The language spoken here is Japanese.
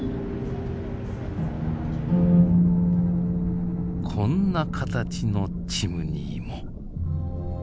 こんな形のチムニーも。